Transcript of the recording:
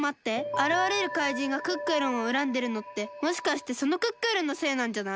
あらわれるかいじんがクックルンをうらんでるのってもしかしてそのクックルンのせいなんじゃない？